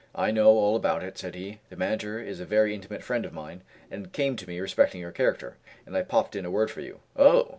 "I know all about it," said he, "the manager is a very intimate friend of mine, and came to me respecting your character, and I popped in a word for you" Oh!"